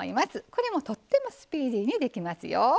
これも、とってもスピーディーにできますよ。